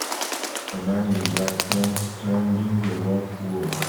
A man in black pants climbing a rock wall.